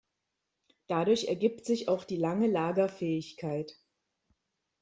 Dadurch ergibt sich auch die lange Lagerfähigkeit.